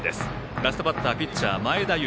ラストバッターピッチャーの前田悠